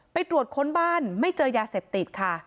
ไปตรวจค้นบ้านไม่เจอยาเสพติดค่ะ